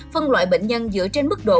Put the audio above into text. phân loại bệnh nhân dựa trên mức độ